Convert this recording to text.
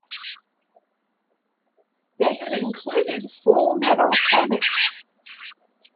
They had included Full Metal Panic!